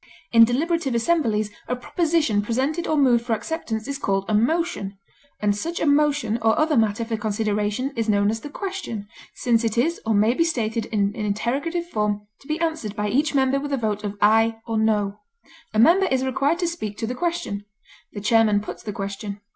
In deliberative assemblies a proposition presented or moved for acceptance is called a motion, and such a motion or other matter for consideration is known as the question, since it is or may be stated in interrogative form to be answered by each member with a vote of "aye" or "no;" a member is required to speak to the question; the chairman puts the question.